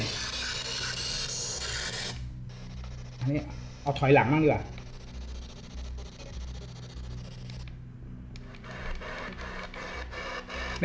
อันนี้เอาถอยหลังบ้างดีกว่า